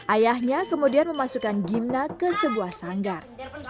ayahnya kemudian memasukkan gimna ke sebuah sanggar